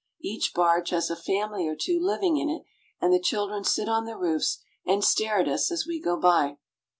Each barge has a family or two living in it, and the children sit on the roofs and stare at us as we go by.